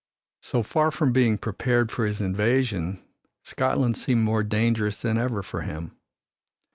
So far from being prepared for his invasion, Scotland seemed more dangerous than ever for him.